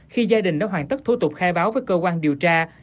khi gia đình đã hoàn tất thủ tục khai báo với cơ quan điều tra